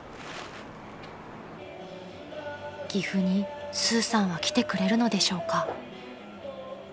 ［岐阜にスーさんは来てくれるのでしょうか？］